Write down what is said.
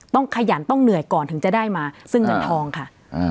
ขยันต้องเหนื่อยก่อนถึงจะได้มาซึ่งเงินทองค่ะ